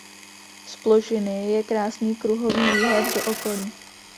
Z plošiny je krásný kruhový výhled do okolí.